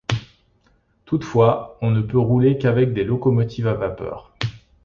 Toutefois, on ne peut rouler qu'avec des locomotives à vapeur.